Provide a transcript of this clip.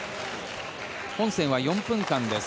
本戦は４分間です。